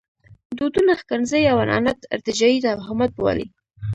دودونه ښکنځي او عنعنات ارتجاعي توهمات بولي.